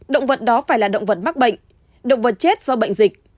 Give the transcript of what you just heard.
động vật đó phải là động vật mắc bệnh động vật chết do bệnh dịch